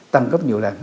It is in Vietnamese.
tăng cấp nhiều lần